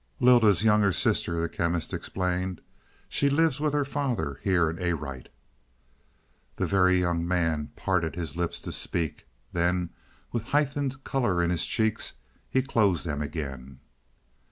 "Lylda's younger sister," the Chemist explained. "She lives with her father here in Arite." The Very Young Man parted his lips to speak. Then, with heightened color in his cheeks, he closed them again.